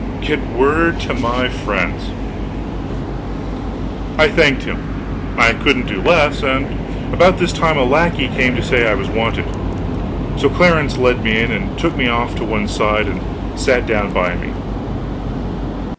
Get word to my friends! I thanked him; I couldn't do less; and about this time a lackey came to say I was wanted; so Clarence led me in and took me off to one side and sat down by me.